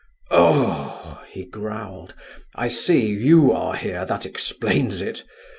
"Oh," he growled, "I see, you are here, that explains it!